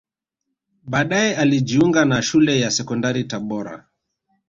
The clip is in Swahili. Baadae alijiunga na Shule ya Sekondari Tabora